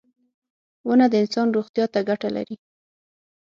• ونه د انسان روغتیا ته ګټه لري.